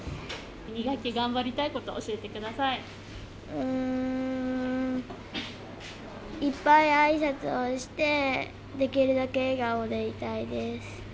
２学期頑張りたいこと、うーん、いっぱいあいさつをして、できるだけ笑顔でいたいです。